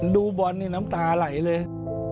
ดูบอลนี่น้ำตาไหลเลย